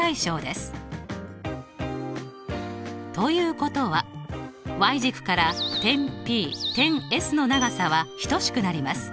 ということは軸から点Ｐ点Ｓの長さは等しくなります。